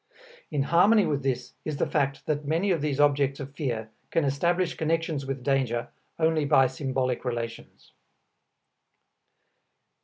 In harmony with this is the fact that many of these objects of fear can establish connections with danger only by symbolic relations.